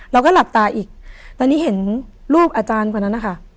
เราก็หลับตาอีกตอนนี้เห็นลูกอาจารย์คนนั้นนะคะ